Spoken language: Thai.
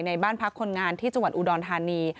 บ้านพักคนงานที่จังหวัดอุดรธานี